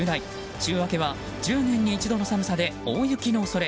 週明けは１０年に一度の寒さで大雪の恐れ。